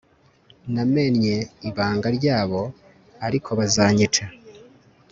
namennye ibanga ryabo ariko bazanyica